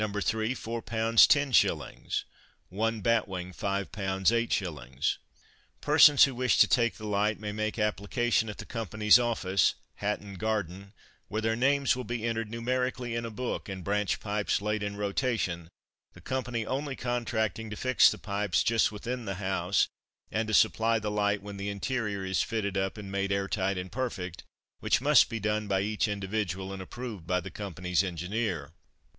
3, 2 2 0 2 14 0 3 7 0 3 18 0 4 10 0 One Batwing. 2 14 0 3 5 0 4 0 0 4 14 0 5 8 0 Persons who wish to take the Light, may make application at the Company's Office, Hatton garden, where their names will be entered numerically in a Book, and Branch pipes laid in rotation, the Company only contracting to fix the pipes just within the house, and to supply the Light when the interior is fitted up, and made air tight and perfect, which must be done by each individual, and approved by the Company's Engineer.